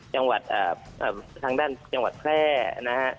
จังหวัดทางด้านจังหวัดแพร่นะฮะ